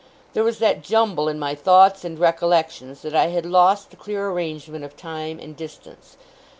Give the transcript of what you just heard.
There was that jumble in my thoughts and recollections, that I had lost the clear arrangement of time and distance.